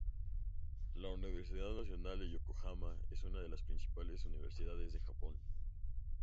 La universidad nacional Yokohama es una de las principales universidades de Japón.